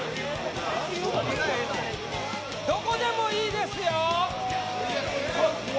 どこでもいいですよ